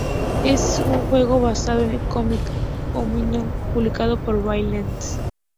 Es un juego basado en un cómic homónimo publicado por Valiant Comics.